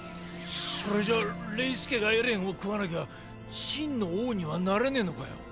それじゃあレイス家がエレンを食わなきゃ真の王にはなれねぇのかよ？